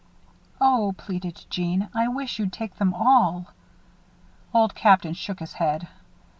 "Oh," pleaded Jeanne, "I wish you'd take them all." Old Captain shook his head.